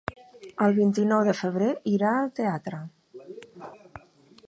El vint-i-nou de febrer irà al teatre.